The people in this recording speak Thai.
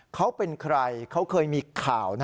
เขาเป็นใครเขาเคยมีข่าว